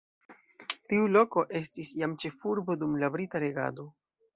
Tiu loko estis jam ĉefurbo dum la brita regado.